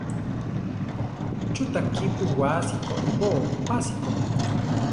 Chú ta kípu wási koʼibóo pásiko?